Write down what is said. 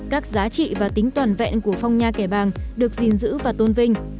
các giá trị và tính toàn vẹn của phong nha kẻ bàng được gìn giữ và tôn vinh